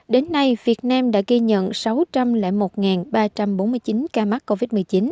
đến nay việt nam đã ghi nhận sáu trăm linh một ba trăm bốn mươi chín ca mắc covid một mươi chín